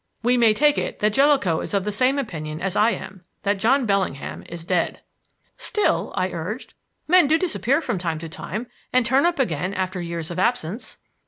We may take it that Jellicoe is of the same opinion as I am: that John Bellingham is dead." "Still," I urged, "men do disappear from time to time, and turn up again after years of absence."